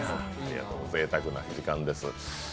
ぜいたくな時間です。